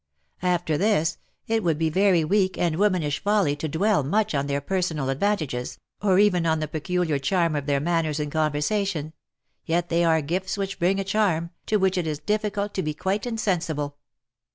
After this, it would be very weak and womanish folly to dwell much on their personal advan tages, or even on the peculiar charm of their manners and conversa tion — yet they are gifts which bring a charm, to which it is difficult to be quite insensible.